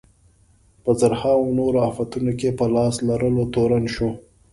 په زرهاوو نورو افتونو کې په لاس لرلو تورن شو.